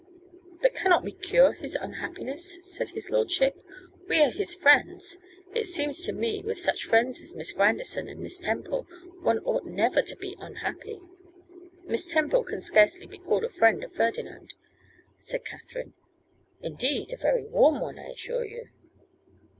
'But cannot we cure his unhappiness?' said his lordship. 'We are his friends; it seems to me, with such friends as Miss Grandison and Miss Temple one ought never to be unhappy.' 'Miss Temple can scarcely be called a friend of Ferdinand,' said Katherine. 'Indeed, a very warm one, I assure you.